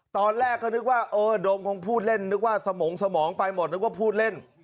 ตอนแรกก็นึกว่าเออโดมคงพูดเล่นนึกว่าสมงสมองไปหมดนึกว่าพูดเล่น